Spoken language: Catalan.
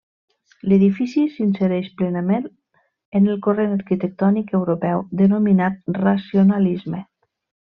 L'edifici s'insereix plenament en el corrent arquitectònic europeu denominat Racionalisme.